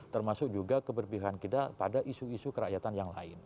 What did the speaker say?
termasuk juga keberpihakan kita pada isu isu kerakyatan yang lain